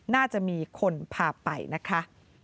น่าจะมีคนพาไปนะคะ